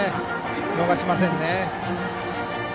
逃しませんね。